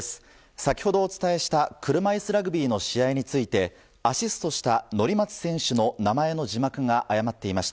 先ほどお伝えした車いすラグビーの試合についてアシストした乗松選手の名前の字幕が誤っていました。